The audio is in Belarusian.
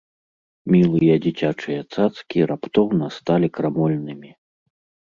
Мілыя дзіцячыя цацкі раптоўна сталі крамольнымі.